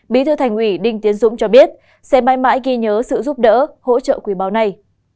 bí thư thành ủy đinh tiến dũng cho biết sẽ mãi mãi ghi nhớ sự giúp đỡ hỗ trợ quý báu này